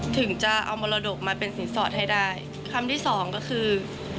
ถึงจะเอามรดกมาเป็นสินสอดให้ได้คำที่สองก็คือ